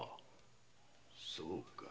そうかい。